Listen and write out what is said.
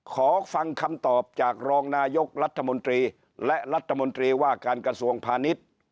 ขอฟังคำตอบจากรองนายกรัฐมนตรีและรัฐมนตรีว่าการกระทรวงพาณิชย์